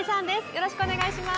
よろしくお願いします。